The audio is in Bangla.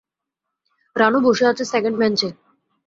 রানু বসে আছে সেকেন্ড বেঞ্চে।